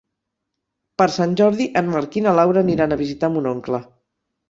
Per Sant Jordi en Marc i na Laura aniran a visitar mon oncle.